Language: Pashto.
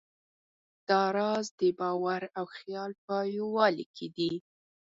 دا راز د باور او خیال په یووالي کې دی.